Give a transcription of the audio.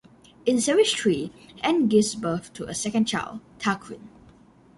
In series three, Ann gives birth to a second child; Tarquin.